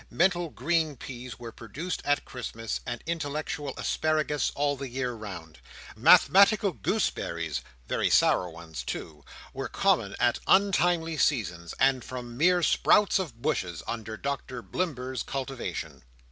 Mental green peas were produced at Christmas, and intellectual asparagus all the year round. Mathematical gooseberries (very sour ones too) were common at untimely seasons, and from mere sprouts of bushes, under Doctor Blimber's cultivation.